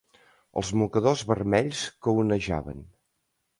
Els mocadors vermells que onejaven